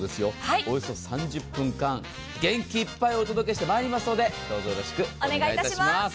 およそ３０分間、元気いっぱいお届けしてまいりますので、どうぞ宜しくお願いいたします。